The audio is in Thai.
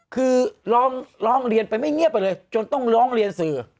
คือร้องเรียนไปไม่เงียบไปเลยจนต้องร้องเรียนสื่อ